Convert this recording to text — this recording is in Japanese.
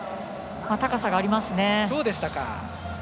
高さがありますね。